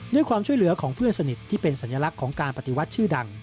ด้วยความช่วยเหลือของเพื่อนสนิทที่เป็นสัญลักษณ์ของการปฏิวัติชื่อดัง